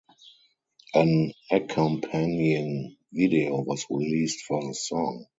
An accompanying video was released for the song.